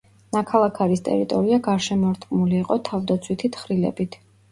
ნაქალაქარის ტერიტორია გარშემოტყმული იყო თავდაცვითი თხრილებით.